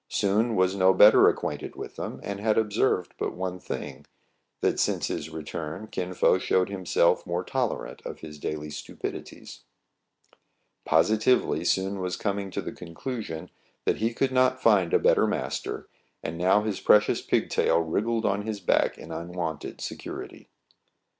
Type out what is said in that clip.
Soun was no better acquainted with them, and had observed but one thing, that since his return Kin Fo showed himself more tol erant of his daily stupidities. Positively Soun was coming to the conclusion that he could not find a better master, and now his precious pigtail wriggled on his back in unwonted security.